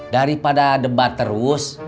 daripada debat terus